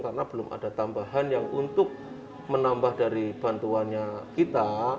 karena belum ada tambahan yang untuk menambah dari bantuannya kita